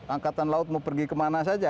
angkatan laut mau pergi kemana saja